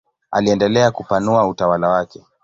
Aliendelea kupanua utawala wake.